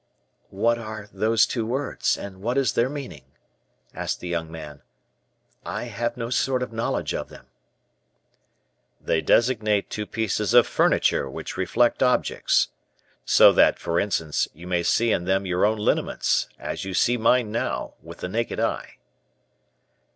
"What are those two words, and what is their meaning?" asked the young man; "I have no sort of knowledge of them." "They designate two pieces of furniture which reflect objects; so that, for instance, you may see in them your own lineaments, as you see mine now, with the naked eye."